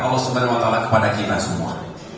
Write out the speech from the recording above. allah swt kepada kita semua